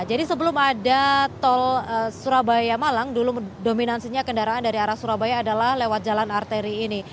jadi sebelum ada tol surabaya malang dulu dominansinya kendaraan dari arah surabaya adalah lewat jalan arteri ini